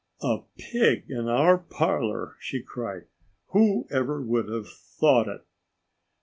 "A pig in our parlor!" she cried. "Who ever would have thought it?"